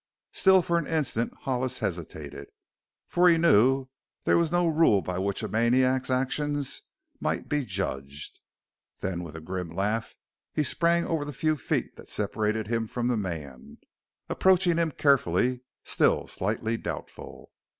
Still for an instant Hollis hesitated, for he knew there was no rule by which a maniac's actions might be judged. Then with a grim laugh he sprang over the few feet that separated him from the man, approaching him carefully, still slightly doubtful.